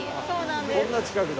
こんな近くだ。